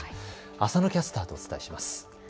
浅野キャスターとお伝えします。